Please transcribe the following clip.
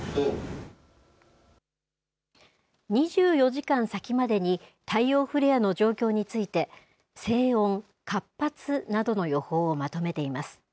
２４時間先までに、太陽フレアの状況について、静穏、活発などの予報をまとめています。